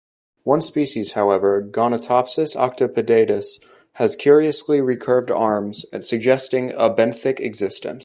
One species, however, "Gonatopsis octopedatus", has curiously recurved arms, suggesting a benthic existence.